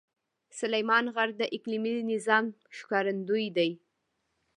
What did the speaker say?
سلیمان غر د اقلیمي نظام ښکارندوی دی.